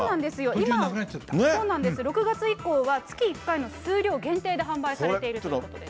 今そうなんです、６月以降は、月１回の数量限定で販売されているということです。